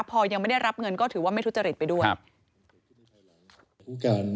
พอยังไม่ได้รับเงินก็ถือว่าไม่ทุจริตไปด้วย